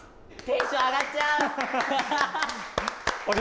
テンション上がっちゃう！